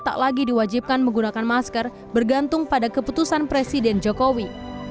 tak lagi diwajibkan menggunakan masker bergantung pada keputusan presiden jokowi